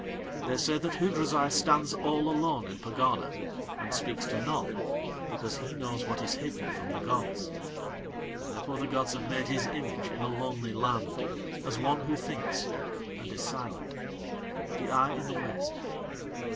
They say that Hoodrazai stands all alone in Pegana and speaks to none because he knows what is hidden from the gods. Therefore the gods have made his image in a lonely land as one who thinks and is silent the eye in the waste.